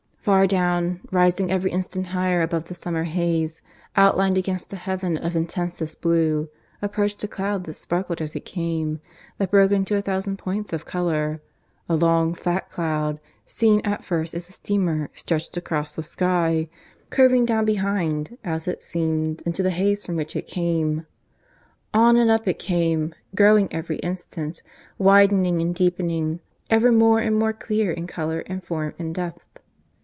... Far down, rising every instant higher above the summer haze, outlined against a heaven of intensest blue, approached a cloud that sparkled as it came, that broke into a thousand points of colour a long, flat cloud, seen at first as a steamer stretched across the sky, curving down behind, as it seemed, into the haze from which it came. On and up it came, growing every instant, widening and deepening, ever more and more clear in colour and form and depth.